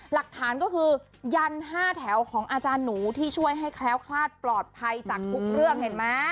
หลักฐานก็คือยัน๕แถวของอาจารย์หนูที่ช่วยให้แคล้วคลาดปลอดภัยจากทุกเรื่องเห็นไหม